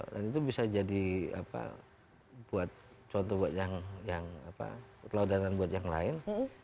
dan itu bisa jadi contoh buat yang kelewatan buat yang lain